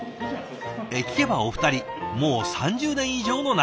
聞けばお二人もう３０年以上の仲。